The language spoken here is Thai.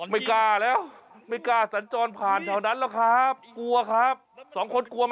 ไม่กล้าแล้วไม่กล้าสัญจรผ่านแถวนั้นหรอกครับกลัวครับสองคนกลัวไหม